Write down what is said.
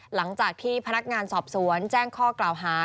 หลังจากที่พนักงานสอบสวนแจ้งข้อกล่าวหา